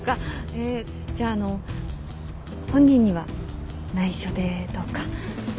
えっじゃああの本人には内緒でどうか。